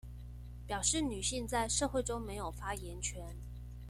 表示女性在社會中沒有發言權